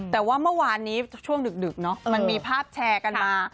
แต่ว่าเมื่อวานนี้ช่วงดึกเนอะมันมีภาพแชร์กันมา